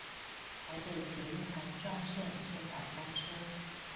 台北捷運環狀線先導公車